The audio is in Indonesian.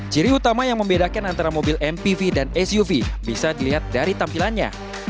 ciri utama yang membedakan antara mobil mpv dan suv bisa dilihat dari tampilannya